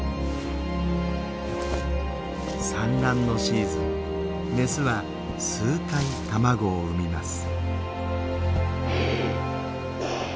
産卵のシーズンにメスは数回卵を産みます。